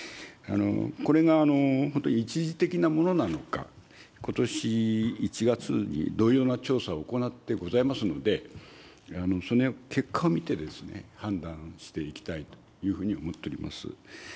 これが本当に一時的なものなのか、ことし１月に同様な調査を行ってございますので、その結果を見て、判断していきたいというふうに思っております。